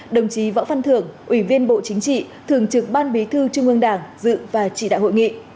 đồng chí võ phan thường ủy viên bộ chính trị thường trực ban bí thư trung ương đảng dự và trị đại hội nghị